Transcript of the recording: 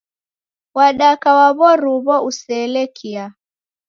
Wadaka wa w'oruw'o useelekia.